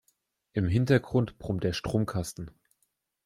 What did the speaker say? Im Hintergrund brummt der Stromkasten.